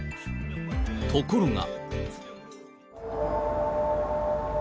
ところが。